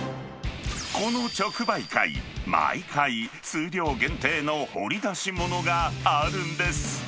この直売会、毎回、数量限定の掘り出し物があるんです。